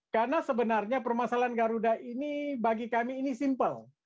karena sebenarnya permasalahan garuda ini bagi kami ini simple